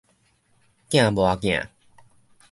鏡磨鏡